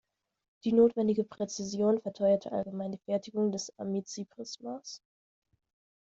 Die notwendige Präzision verteuert allgemein die Fertigung des Amici-Prismas.